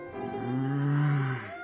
うん。